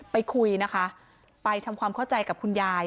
ไปคุยนะคะไปทำความเข้าใจกับคุณยาย